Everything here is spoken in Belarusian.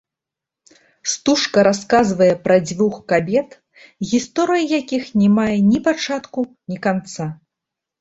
Стужка расказвае пра дзвюх кабет, гісторыя якіх не мае ні пачатку, ні канца.